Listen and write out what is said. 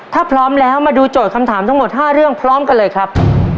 ถ้าพร้อมแล้วมาดูโจทย์คำถามทั้งหมด๕เรื่องพร้อมกันเลยครับ